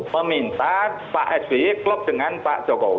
peminta pak sby klop dengan pak jokowi